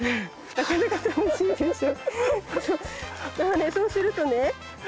なかなか楽しいでしょ。